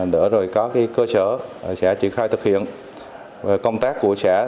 để rồi có cơ sở sẽ triển khai thực hiện công tác của xã